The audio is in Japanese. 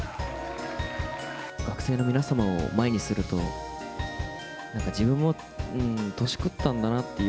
学生の皆様を前にすると、なんか自分も年食ったんだなっていう。